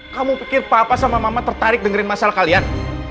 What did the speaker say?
kamu pikir papa sama mama tertarik dengerin masalah kalian